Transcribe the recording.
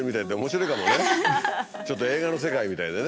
ちょっと映画の世界みたいでね。